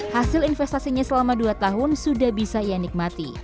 hasil investasinya selama dua tahun sudah bisa ia nikmati